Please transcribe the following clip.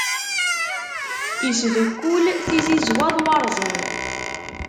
Isdukkul tizizwa d warẓen.